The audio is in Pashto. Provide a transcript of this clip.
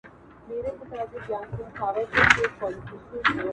درې لفظونه ستا د خولې ' لا نبي بعدي